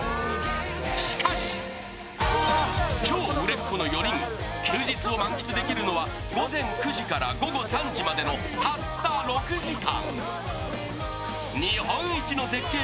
しかし超売れっ子の４人が休日を満喫できるのは午前９時から午後３時までのたった６時間。